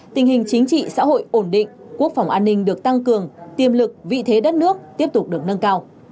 tình hình chính trị xã hội ổn định quốc phòng an ninh được tăng cường tiềm lực vị thế đất nước tiếp tục được nâng cao